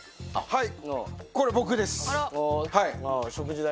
はい。